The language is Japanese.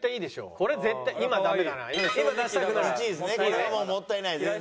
これはもうもったいない全然。